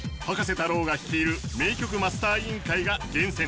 太郎が率いる名曲マスター委員会が厳選。